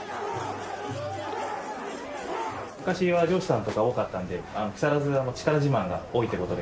昔は漁師さんとか多かったので木更津は力自慢が多いという事で。